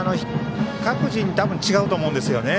各人、違うと思うんです。